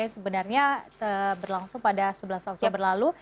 yang sebenarnya berlangsung pada sebelas oktober lalu